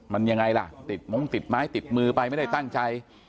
มันยังไงล่ะติดมงติดไม้ติดมือไปไม่ได้ตั้งใจ